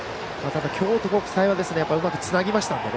ただ京都国際はうまくつなぎましたので。